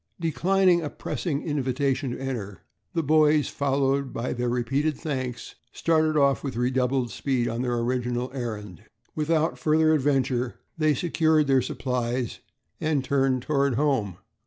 Declining a pressing invitation to enter, the boys, followed by their repeated thanks, started off with redoubled speed on their original errand. Without further adventure they secured their supplies and turned toward home.